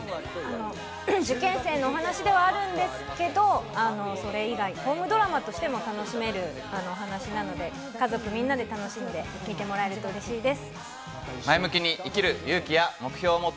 受験生のお話ではあるんですけど、それ以外、ホームドラマとしても楽しめるお話なので、家族みんなで楽しんで見てもらえると嬉しいです。